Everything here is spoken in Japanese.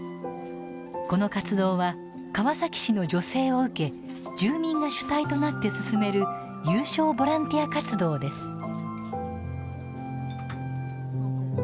この活動は川崎市の助成を受け住民が主体となって進める有償ボランティア活動です。